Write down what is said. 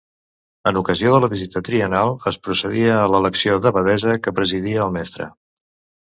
En ocasió de la visita triennal es procedia a l'elecció d'abadessa, que presidia el mestre.